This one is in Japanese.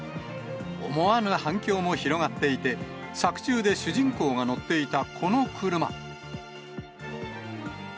思わぬ反響も広がっていて、作中で主人公が乗っていたこの車。